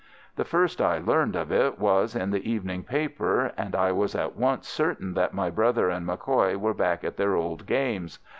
The first I learned of it was in the evening paper, and I was at once certain that my brother and MacCoy were back at their old games.